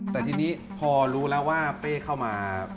แต่ทีนี้พอรู้แล้วว่าเป้เข้ามา